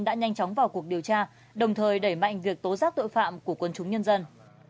đã nhanh chóng vào cuộc điều tra đồng thời đẩy mạnh việc tố giác tội phạm của quân chúng nhân dân